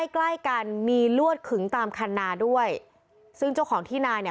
ใกล้ใกล้กันมีลวดขึงตามคันนาด้วยซึ่งเจ้าของที่นาเนี่ย